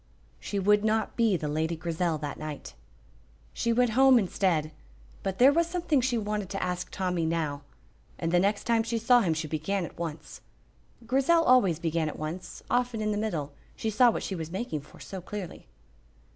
She would not be the Lady Grizel that night. She went home instead, but there was something she wanted to ask Tommy now, and the next time she saw him she began at once. Grizel always began at once, often in the middle, she saw what she was making for so clearly.